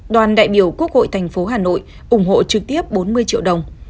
đoàn đại biểu quốc hội tp hà nội ủng hộ trực tiếp bốn mươi triệu đồng